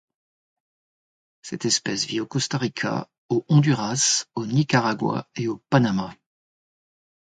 Cette espèce vit au Costa Rica, au Honduras, au Nicaragua et au Panama.